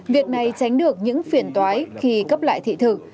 việc này tránh được những phiền toái khi cấp lại thị thực